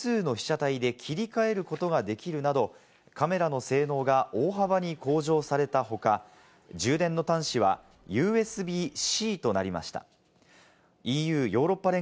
撮影後の写真のピントを複数の被写体で切り替えることができるなど、カメラの性能が大幅に向上された他、充電の端子はＵＳＢーＣとなりました。